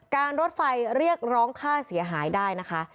รถไฟเรียกร้องค่าเสียหายได้นะคะ